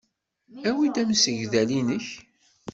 Awi-d amsegdal-nnek.